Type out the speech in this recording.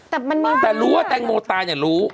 แต่มันมีประโยคอะไรนะ